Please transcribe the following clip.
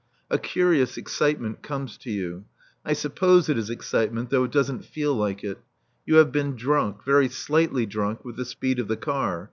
A curious excitement comes to you. I suppose it is excitement, though it doesn't feel like it. You have been drunk, very slightly drunk with the speed of the car.